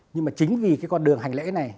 nhưng mà chính vì cái con đường hành lễ này